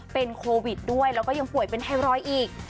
เป็นโควิดด้วยแล้วก็ยังป่วยเป็นไทรอยด์อีก